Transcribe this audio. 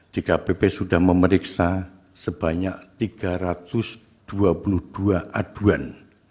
dkpp sudah memeriksa sebanyak tiga ratus dua puluh dua aduan